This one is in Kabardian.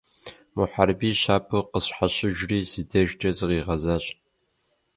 Мухьэрбий щабэу къысщхьэщыжри си дежкӀэ зыкъигъэзащ.